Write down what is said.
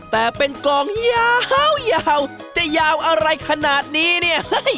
แต่เป็นกองยาวจะยาวอะไรขนาดนี้เนี่ย